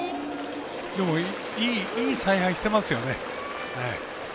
でもいい采配していますよね。